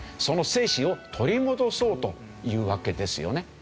その精神を取り戻そうというわけですよね。